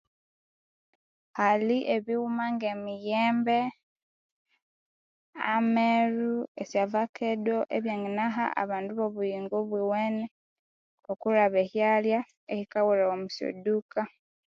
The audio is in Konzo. Hali ebighuma ngemiyembe ameru esyovakaddo ebyanginaha abandu obuyingo obuwene okwilhaba ehyalya ehikaghulhawa omwa syaduka